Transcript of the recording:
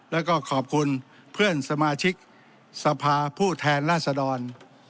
แล้วก็ขอบคุณเพื่อนสมาชิกสภาผู้แทนราษดร